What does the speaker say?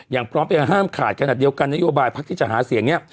อย่างพร้อมไปกับห้ามขาดขนาดเดียวกันนโยบายพักษณ์ที่จะหาเสียงเนี่ย